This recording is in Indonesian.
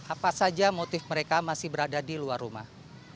apa saja motif mereka masih berada di luar rumah